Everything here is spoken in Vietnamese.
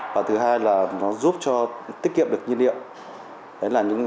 và thứ hai là nó giúp cho tiết kiệm được nhiên liệu